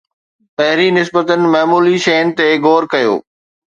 پهرين نسبتا معمولي شين تي غور ڪريو.